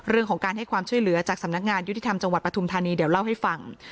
เรื่องของการให้ความช่วยเหลือจากสำนักงานยุติธรรมจังหวัดปฐุมธานีเดี๋ยวเล่าให้ฟัง